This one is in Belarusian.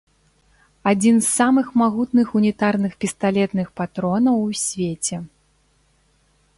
Адзін з самых магутных унітарных пісталетных патронаў у свеце.